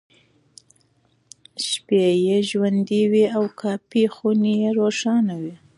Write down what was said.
شپې یې ژوندۍ وې او کافيخونې روښانه وې.